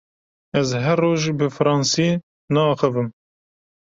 Ez her roj bi fransî naaxivim.